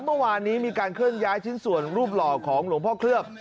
เมื่อวานนี้มีการเคลื่อนย้ายชิ้นส่วนรูปหล่อของหลวงพ่อเคลือบ